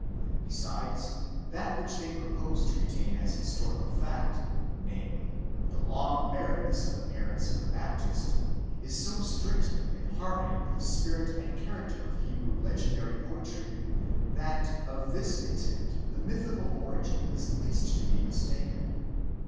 Besides, that which they propose to retain as historical fact, namely, the long barrenness of the parents of the Baptist, is so strictly in harmony with the spirit and character of Hebrew legendary poetry, that of this incident the mythical origin is least to be mis taken.